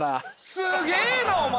すげぇなお前